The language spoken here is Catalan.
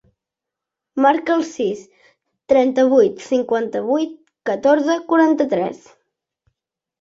Marca el sis, trenta-vuit, cinquanta-vuit, catorze, quaranta-tres.